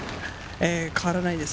変わらないです。